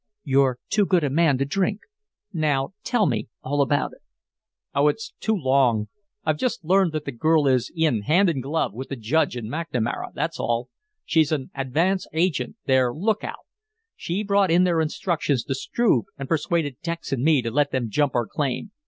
"You're too good a man to drink. Now, tell me all about it." "Oh, it's too long! I've just learned that the girl is in, hand and glove, with the Judge and McNamara that's all. She's an advance agent their lookout. She brought in their instructions to Struve and persuaded Dex and me to let them jump our claim.